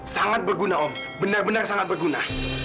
sangat berguna om benar benar sangat berguna